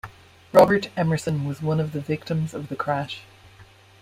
Robert Emerson was one of the victims of the crash.